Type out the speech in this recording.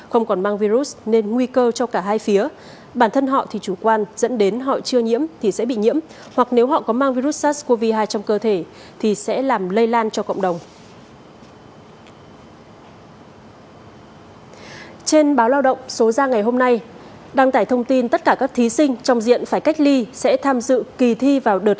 trên báo lao động số ra ngày hôm nay đăng tải thông tin tất cả các thí sinh trong diện phải cách ly sẽ tham dự kỳ thi vào đợt hai